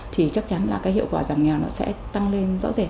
thì chắc chắn là cái hiệu quả giảm nghèo nó sẽ tăng lên rõ rệt